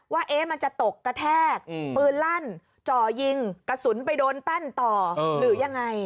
ว่ามันจะตกกระแทกปืนลั่นจ่อยิงกระสุนไปโดนแป้นต่อหรือยังไง